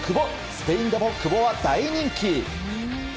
スペインでも久保は大人気。